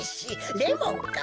レモンか。